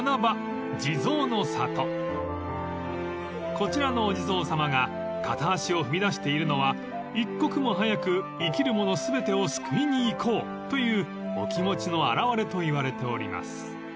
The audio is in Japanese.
［こちらのお地蔵さまが片足を踏み出しているのは一刻も早く生きる者全てを救いに行こうというお気持ちの表れといわれております］